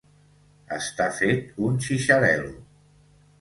Està fet un xitxarel·lo.